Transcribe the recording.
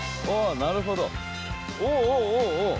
なるほど。